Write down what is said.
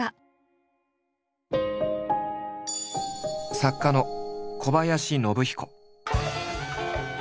作家の小林信彦。